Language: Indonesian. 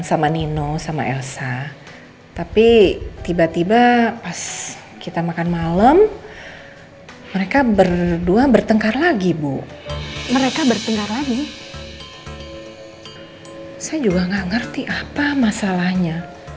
sampai jumpa di video selanjutnya